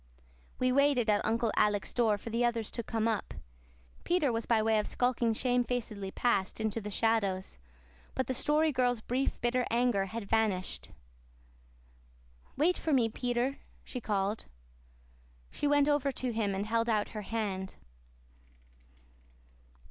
We waited at Uncle Alec's door for the others to come up. Peter was by way of skulking shamefacedly past into the shadows; but the Story Girl's brief, bitter anger had vanished. "Wait for me, Peter," she called. She went over to him and held out her hand.